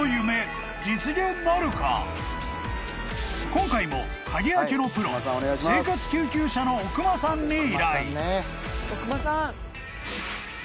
［今回も鍵開けのプロ生活救急車の奥間さんに依頼］